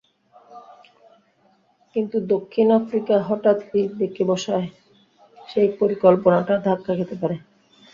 কিন্তু দক্ষিণ আফ্রিকা হঠাৎই বেঁকে বসায় সেই পরিকল্পনাটা ধাক্কা খেতে পারে।